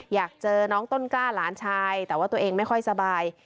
อยากเจอน้องต้นกล้าหลานชายแต่ว่าตัวเองไม่ค่อยสบาย